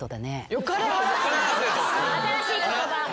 新しい言葉。